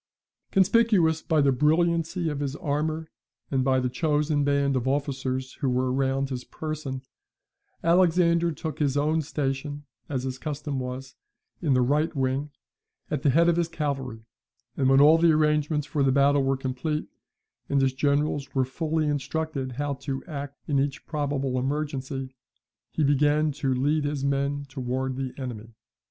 ] Conspicuous by the brilliancy of his armour, and by the chosen band of officers who were round his person, Alexander took his own station, as his custom was, in the right wing, at the head of his cavalry: and when all the arrangements for the battle were complete, and his generals were fully instructed how to act in each probable emergency, he began to lead his men towards the enemy.